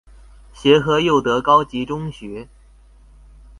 協和祐德高級中學